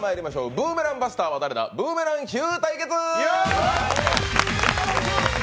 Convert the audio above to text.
ブーメランマスターは誰だ「ブーメランヒュー」対決！